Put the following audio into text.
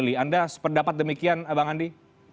anda sependapat demikian bang andi